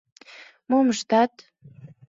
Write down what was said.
Мом ыштат?